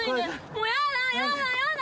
もうやだやだやだ。